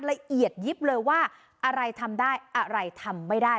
ละเอียดยิบเลยว่าอะไรทำได้อะไรทำไม่ได้